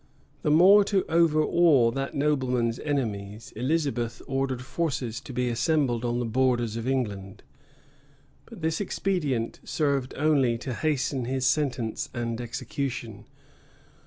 The more to overawe that nobleman's enemies, Elizabeth ordered forces to be assembled on the borders of England; but this expedient served only to hasten his sentence and execution.